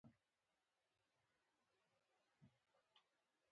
دوی دولتونه او استوګنځایونه یې جوړ کړل